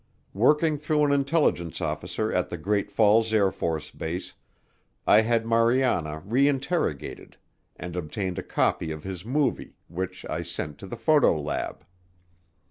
Working through an intelligence officer at the Great Falls AFB, I had Mariana reinterrogated and obtained a copy of his movie, which I sent to the photo lab.